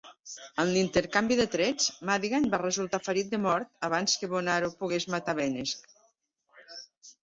En l'intercanvi de trets, Madigan va resultar ferit de mort abans que Bonaro pogués matar Benesch.